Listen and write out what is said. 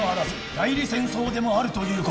代理戦争でもあるということだ」